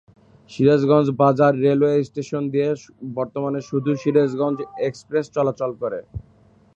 সিরাজগঞ্জ বাজার railway station দিয়ে বর্তমানে শুধু সিরাজগঞ্জ এক্সপ্রেস চলাচল করে।